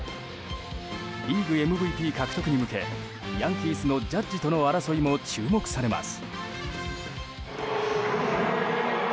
リーグＭＶＰ獲得へ向けヤンキース、ジャッジとの争いも注目されます。